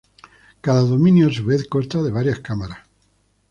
Cada dominio a su vez consta de varias cámaras.